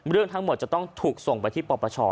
เรื่องทั้งหมดจะต้องถูกส่งไปที่ปปช